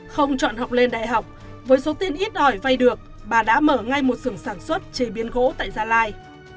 không chọn học lên đại học với số tiền ít ỏi vay được bà đã mở ngay một sưởng sản xuất chế biến gỗ tại gia lai